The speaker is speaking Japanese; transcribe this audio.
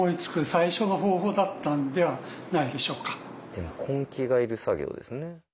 でも根気がいる作業ですね。